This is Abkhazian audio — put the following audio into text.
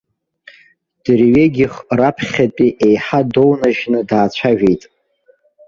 Дырҩегьых раԥхьатәи еиҳа доунажьны даацәажәеит.